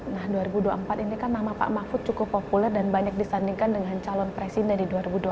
nah dua ribu dua puluh empat ini kan nama pak mahfud cukup populer dan banyak disandingkan dengan calon presiden di dua ribu dua puluh